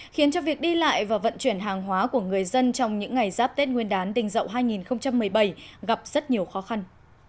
khiến cho việc đi lại và vận chuyển hàng hóa của người dân trong những ngày giáp tết nguyên đán đình dậu hai nghìn một mươi bảy gặp rất nhiều khó khăn